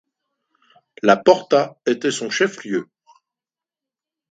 La Porta était son chef-lieu.